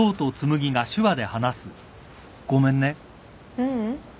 ううん。